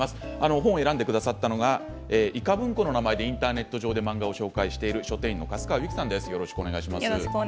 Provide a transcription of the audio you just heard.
本を選んでくださったのはいか文庫の名前でインターネット上で漫画を紹介している書店員の粕川ゆきさんです。